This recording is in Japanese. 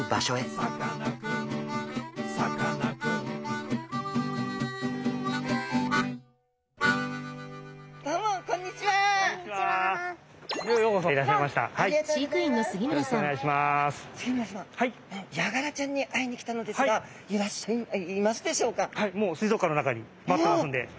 はいもう水族館の中に待ってますんで是非見てください。